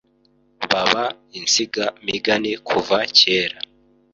baba insiga migani kuva kera